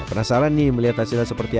penasaran nih melihat hasilnya seperti apa